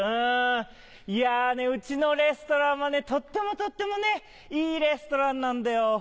いやうちのレストランはねとってもとってもねいいレストランなんだよ。